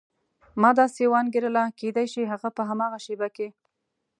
ما داسې وانګېرله کېدای شي هغه په هماغه شېبه کې.